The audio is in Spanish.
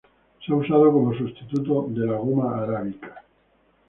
Se ha usado como sustituto de la Goma arábica.